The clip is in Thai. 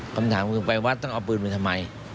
คำถามคือไปวัดต้องเอาปืนไปทำไม